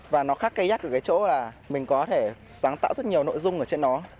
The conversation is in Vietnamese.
và nó khác cây nhát ở cái chỗ là mình có thể sáng tạo rất nhiều nội dung ở trên nó